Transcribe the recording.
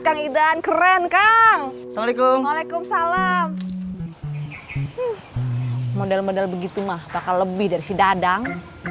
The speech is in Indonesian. kang idan keren kang assalamualaikum waalaikumsalam model model begitu mah bakal lebih dari si dadang